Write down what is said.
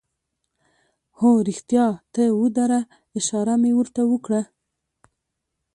هو، رښتیا ته ودره، اشاره مې ور ته وکړه.